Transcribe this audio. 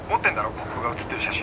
国府が写ってる写真。